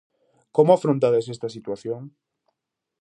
Como afrontades esta situación?